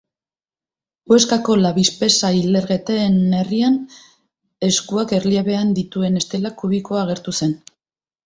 Huescako La Vispesa ilergeteen herrian, eskuak erliebean dituen estela kubikoa agertu zen